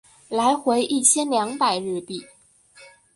来回一千两百日币